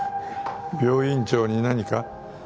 病院長に何か？